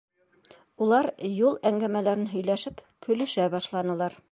- Улар, юл әңгәмәләрен һөйләшеп, көлөшә башланылар.